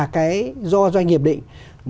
cái do doanh nghiệp định